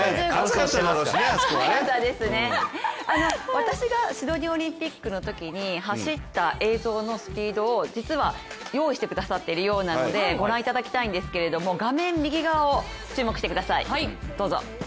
私がシドニーオリンピックのときに走った映像のスピードを実は用意してくださっているようなのでご覧いただきたいんですけれども画面右側を注目してください。